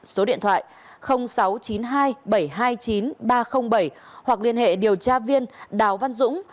số điện thoại sáu trăm chín mươi hai bảy trăm hai mươi chín ba trăm linh bảy hoặc liên hệ điều tra viên đào văn dũng